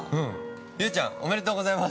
◆ユウちゃんおめでとうございます。